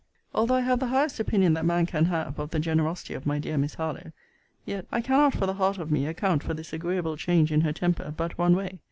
Although I have the highest opinion that man can have of the generosity of my dear Miss Harlowe, yet I cannot for the heart of me account for this agreeable change in her temper but one way.